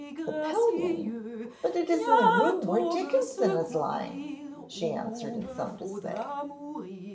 'The pillion? But it is in the room where Dickinson is lying,' she answered in some dismay.